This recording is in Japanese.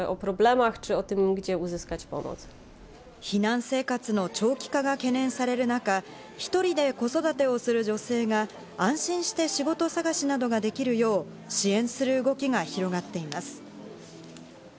避難生活の長期化が懸念される中、一人で子育てをする女性が安心して仕事探しができるよう支援する動きが広がっています。